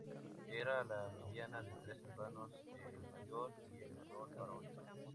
Era la mediana de tres hermanos, el mayor y el menor varones.